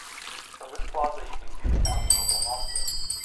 From this plaza you can see the Castle of Almansa.